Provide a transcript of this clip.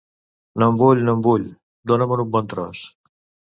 No en vull, no en vull; dona-me'n un bon tros.